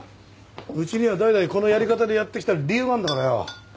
うちには代々このやり方でやって来た理由があんだからよ。